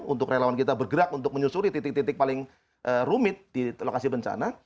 untuk relawan kita bergerak untuk menyusuri titik titik paling rumit di lokasi bencana